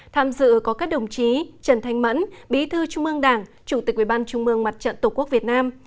tham dự có các đồng chí trần thanh mẫn bí thư trung ương đảng chủ tịch ủy ban trung ương mặt trận tổ quốc việt nam